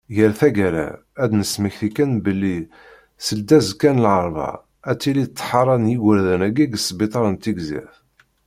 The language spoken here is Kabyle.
Ɣer taggara, ad d-nesmekti kan belli seldazekka n larebɛa, ad tili ṭṭhara n yigerdan-agi deg ssbiṭer n Tigzirt.